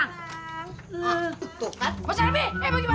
lo yang makan duit haram kenapa gue suruh